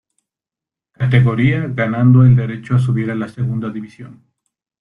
Categoría, ganando el derecho a subir a la Segunda División.